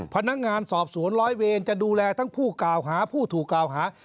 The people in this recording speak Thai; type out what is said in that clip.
พนักงานสอบสวนร้อยเวรจะดูแลทั้งผู้กล่าวหาผู้ถูกกล่าวหา